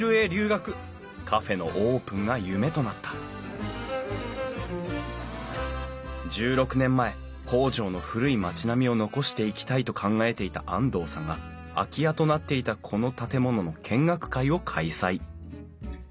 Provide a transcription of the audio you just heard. カフェのオープンが夢となった１６年前北条の古い町並みを残していきたいと考えていた安藤さんが空き家となっていたこの建物の見学会を開催。